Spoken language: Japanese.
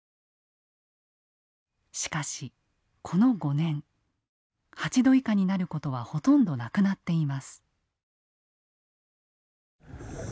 しかしこの５年８℃以下になることはほとんどなくなっています。